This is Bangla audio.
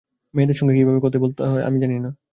মেয়েদের সঙ্গে কীভাবে কথা বলতে হয় আমি জানি না।